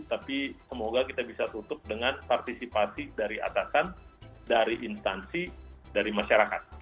tapi semoga kita bisa tutup dengan partisipasi dari atasan dari instansi dari masyarakat